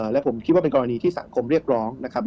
และผมคิดว่าเป็นกรณีที่สังคมเรียกร้องนะครับ